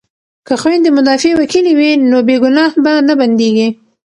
که خویندې مدافع وکیلې وي نو بې ګناه به نه بندیږي.